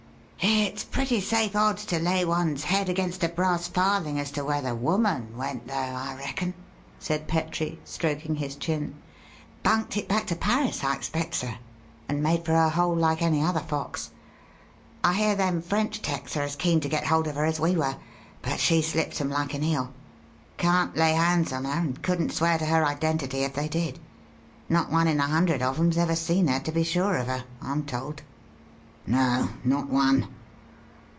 "It's pretty safe odds to lay one's head against a brass farthing as to where the woman went, though, I reckon," said Petrie, stroking his chin. "Bunked it back to Paris, I expect, sir, and made for her hole like any other fox. I hear them French 'tecs are as keen to get hold of her as we were, but she slips 'em like an eel. Can't lay hands on her, and couldn't swear to her identity if they did. Not one in a hundred of 'em's ever seen her to be sure of her, I'm told." "No, not one.